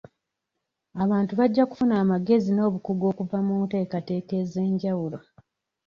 Abantu bajja kufuna amagezi n'obukugu okuva mu nteekateeka ez'enjawulo.